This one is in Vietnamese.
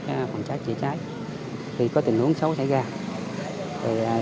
cái phòng cháy chữa cháy thì có tình huống xấu xảy ra